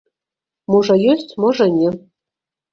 Можа, ёсць, можа, не.